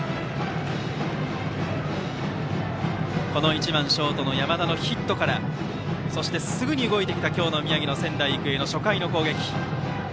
１番ショートの山田のヒットからすぐに動いてきた、今日の宮城の仙台育英の初回の攻撃。